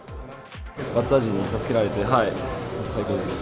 バッター陣に助けられて、最高です。